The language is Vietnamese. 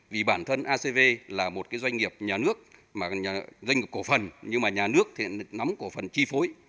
vì bản thân acv là một cái doanh nghiệp nhà nước mà doanh nghiệp cổ phần nhưng mà nhà nước thì nắm cổ phần chi phối